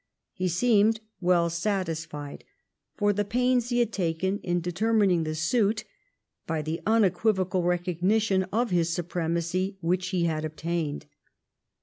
He seemed well satisfied, for the pains he had taken in determining the suit, by the unequivocal recognition of his supremacy which he had obtained.